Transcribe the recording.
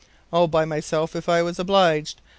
"All by myself if I was obliged.